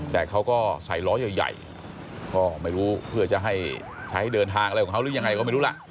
แต่เขาก็ใส่ล้อใหญ่ก็ไม่รู้เพื่อจะให้ใช้เดินทางอะไรของเขาหรือยังไงก็ไม่รู้ล่ะ